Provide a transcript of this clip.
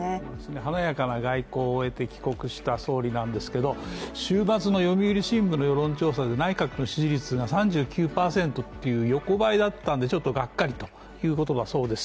華やかな外交を終えて帰国した総理なんですけれども、週末の「読売新聞」の世論調査で内閣の支持率が３９％という横ばいだったんでちょっとがっかりということだそうです。